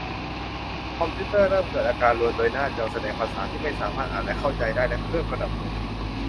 คอมพิวเตอร์เริ่มเกิดอาการรวนโดยหน้าจอแสดงภาษาที่ไม่สามารถอ่านและเข้าใจได้ และเครื่องก็ดับลง